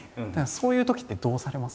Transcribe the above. そういうときってどうされます？